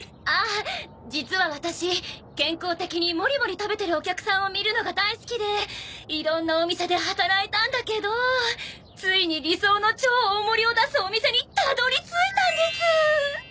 ああ実はワタシ健康的にモリモリ食べてるお客さんを見るのが大好きでいろんなお店で働いたんだけどついに理想の超大盛りを出すお店にたどり着いたんです！